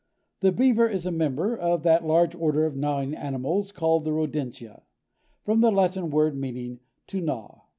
The Beaver is a member of that large order of gnawing mammals called the Rodentia, from the Latin word meaning to gnaw.